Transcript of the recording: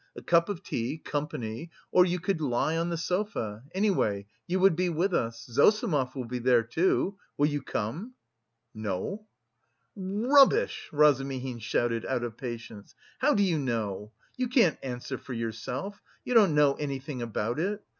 a cup of tea, company.... Or you could lie on the sofa any way you would be with us.... Zossimov will be there too. Will you come?" "No." "R rubbish!" Razumihin shouted, out of patience. "How do you know? You can't answer for yourself! You don't know anything about it....